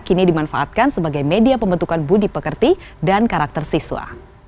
kini dimanfaatkan sebagai media pembentukan budi pekerti dan karakter siswa